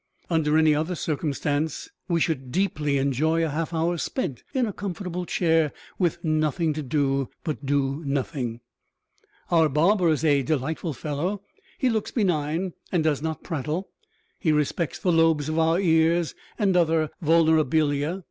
Under any other circumstances we should deeply enjoy a half hour spent in a comfortable chair, with nothing to do but do nothing. Our barber is a delightful fellow; he looks benign and does not prattle; he respects the lobes of our ears and other vulnerabilia.